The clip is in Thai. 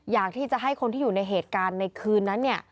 อยากที่จะให้คนที่อยู่ในเหตุการณ์ในคืนนั้น